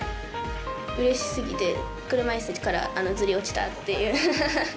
うれしすぎて車いすからずり落ちたっていう。